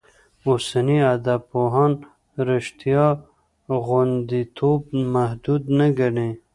اوسني ادبپوهان رشتیا غوندېتوب محدود نه ګڼي.